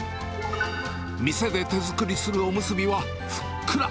店で手作りするおむすびはふっくら。